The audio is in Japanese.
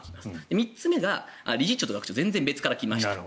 ３つ目は理事長と学長全く別から来ましたと。